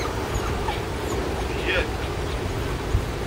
Tga-t.